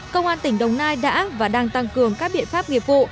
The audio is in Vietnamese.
công an tỉnh đồng nai đã và đang tăng cường các biện pháp nghiệp vụ